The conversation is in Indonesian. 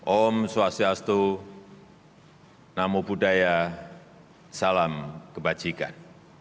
om swastiastu namo buddhaya salam kebajikan